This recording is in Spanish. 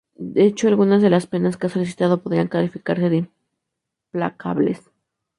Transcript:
De hecho, algunas de las penas que ha solicitado podrían calificarse de implacables.